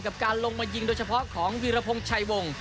กับการลงมายิงโดยเฉพาะของวีรพงศ์ชัยวงศ